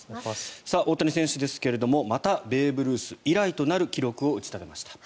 大谷選手ですけどもまたベーブ・ルース以来となる記録を打ち立てました。